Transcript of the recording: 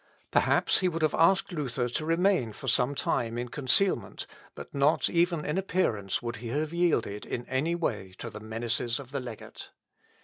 Perhaps he would have asked Luther to remain for some time in concealment, but not even in appearance would he have yielded, in any way, to the menaces of the legate.